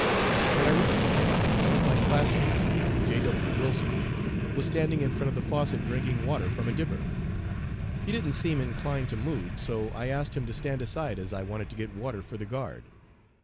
When I reached the tank, one of my classmates, J. W. Wilson, was standing in front of the faucet drinking water from a dipper. He didn't seem inclined to move, so I asked him to stand aside as I wanted to get water for the guard.